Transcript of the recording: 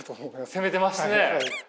攻めてましたね！